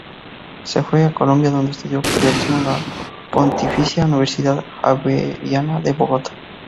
Se fue a Colombia donde estudió periodismo en la Pontificia Universidad Javeriana de Bogotá.